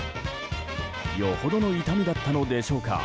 よほどの痛みだったのでしょうか。